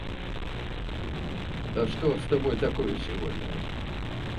Фотон, общеизвестно, интегрирует гравитационный вексель.